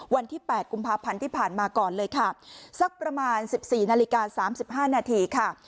วันที่แปดกุมภาพันธ์ที่ผ่านมาก่อนเลยค่ะสักประมาณสิบสี่นาฬิกาสามสิบห้านาทีค่ะ